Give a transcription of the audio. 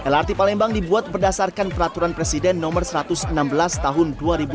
lrt palembang dibuat berdasarkan peraturan presiden no satu ratus enam belas tahun dua ribu dua puluh